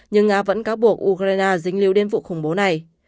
nhưng nga vẫn cáo buộc ukraine dính lưu đến vụ khủng bố này